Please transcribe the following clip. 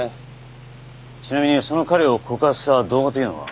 ちなみにその彼を告発した動画というのは？